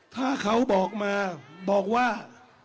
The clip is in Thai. ถ้าเขาบอกมาบอกว่า